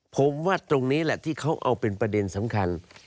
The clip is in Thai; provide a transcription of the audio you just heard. ผมว่าตรงนี้แหละที่เขาเอาเป็นประเด็นสำคัญ